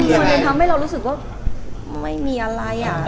มันทำให้เรารู้สึกว่ามันไม่มีอะไรอ่ะ